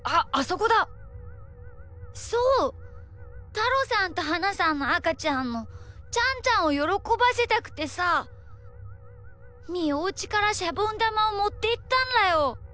たろさんとはなさんのあかちゃんのちゃんちゃんをよろこばせたくてさみーおうちからシャボンだまをもっていったんだよ。